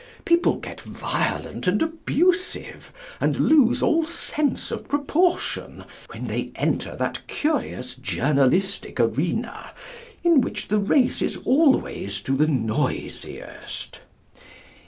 People get violent and abusive and lose all sense of proportion when they enter that curious journalistic arena in which the race is always to the noisiest.